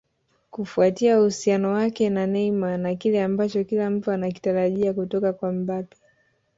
Kufuatia uhusiano wake na Neymar na kile ambacho kila mtu anakitarajia kutoka kwa Mbappe